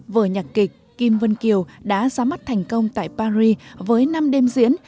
vở nhạc kịch kim vân kiều đã ra mắt thành công tại paris với năm đêm diễn